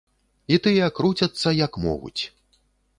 І тыя круцяцца, як могуць.